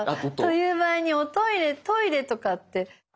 という場合にトイレとかって。